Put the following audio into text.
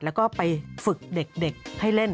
แล้วก็ไปฝึกเด็กให้เล่น